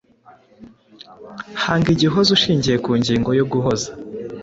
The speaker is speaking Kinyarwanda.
Hanga igihozo ushingiye ku ngingo yo guhoza.